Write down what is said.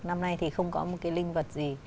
năm nay thì không có một cái linh vật gì